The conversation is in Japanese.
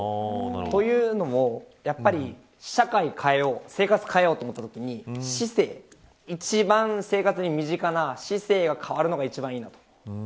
というのも、社会を変えよう生活を変えようと思ったときに市政という一番生活に身近なところを変えるのがいいと。